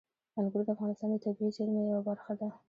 انګور د افغانستان د طبیعي زیرمو یوه برخه ده.